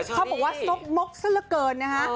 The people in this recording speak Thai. เขาบอกว่าซกมกซะละเกินนะฮะ